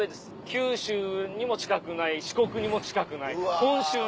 九州にも近くない四国にも近くない本州の。